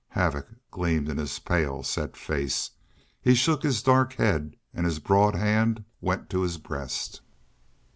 Havoc gleamed in his pale, set face. He shook his dark head and his broad hand went to his breast.